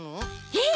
えっ！